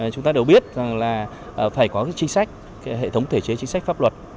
chúng ta đều biết rằng là phải có chính sách hệ thống thể chế chính sách pháp luật